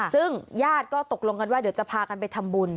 ซึ่งญาติก็ตกลงกันว่าเดี๋ยวจะพากันไปทำบุญ